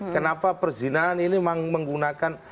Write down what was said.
kenapa perzinaan ini menggunakan